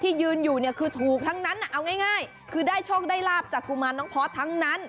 ยืนอยู่เนี่ยคือถูกทั้งนั้นเอาง่ายคือได้โชคได้ลาบจากกุมารน้องพอสทั้งนั้น